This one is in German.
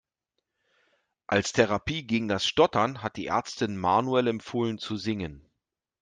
Als Therapie gegen das Stottern hat die Ärztin Manuel empfohlen zu singen.